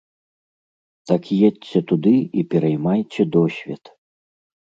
Так едзьце туды і пераймайце досвед.